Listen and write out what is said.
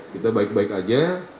kita baik baik saja